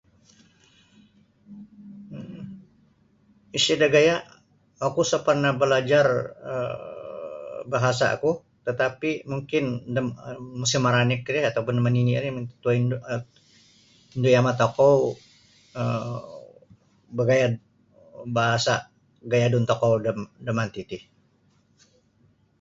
Isada' gaya' oku sa parnah balajar um bahasa'ku tatapi' mungkin da musim maranik atau pun da manini' ri mututuindu' um indu yama' tokou um bagayad bahasa' gayadun tokou da damanti ti.